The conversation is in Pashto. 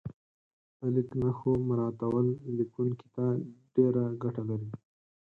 د لیک نښو مراعاتول لیکونکي ته ډېره ګټه لري.